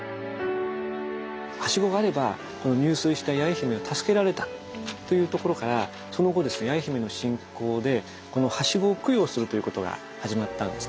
はしごがあれば入水した八重姫を助けられたというところからその後ですね八重姫の信仰でこのはしごを供養するということが始まったんですね。